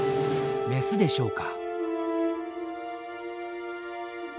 メスでしょうか。